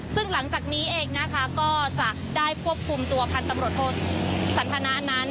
ซึ่งหลังจากนี้เองนะคะก็จะได้ควบคุมตัวพันธุ์ตำรวจโทษสันทนานั้น